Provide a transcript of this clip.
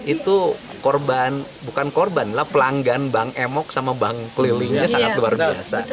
itu korban bukan korban lah pelanggan bank emok sama bank kelilingnya sangat luar biasa